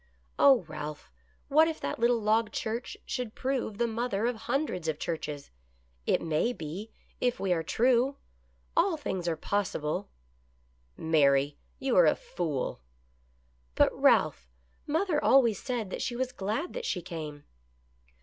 " Oh, Ralph, what if that little log church should prove the mother of hun dreds of churches — it may be, if we are true ! All things are possible." " Mary, you are a fool." " But, Ralph, mother always said that she was glad that she came."